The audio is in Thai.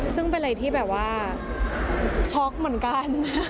ซึ่งเป็นอะไรที่แบบว่าช็อกเหมือนกัน